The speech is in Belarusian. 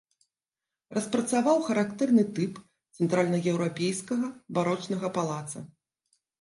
Распрацаваў характэрны тып цэнтральнаеўрапейскага барочнага палаца.